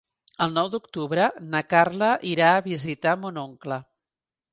El nou d'octubre na Carla irà a visitar mon oncle.